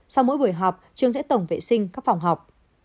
sau mỗi buổi họp trường sẽ tổng vệ sinh các phòng học